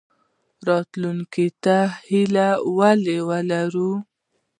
راتلونکي ته هیله ولې ولرو؟